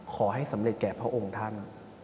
ขอให้สำเร็จแก่พระองค์ท่าน